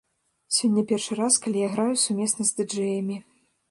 Сёння першы раз, калі я граю сумесна з ды-джэямі.